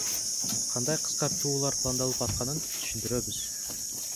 Кандай кыскартуулар пландалып атканын түшүндүрөбүз.